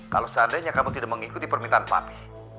kalau seandainya kamu tidak mengikuti permintaan pami